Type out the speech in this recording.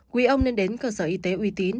quý ông nên đến cơ sở y tế uy tín